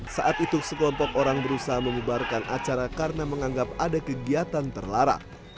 saat itu sekelompok orang berusaha memubarkan acara karena menganggap ada kegiatan terlarang